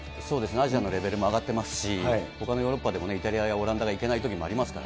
アジアのレベルも上がってますし、ほかのヨーロッパでもイタリアやオランダが行けないときもありま